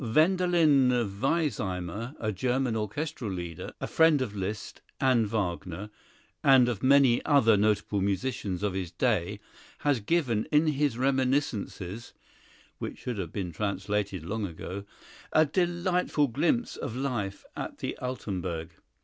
Wendelin Weissheimer, a German orchestral leader, a friend of Liszt and Wagner, and of many other notable musicians of his day, has given in his reminiscences (which should have been translated long ago) a delightful glimpse of life at the Altenburg.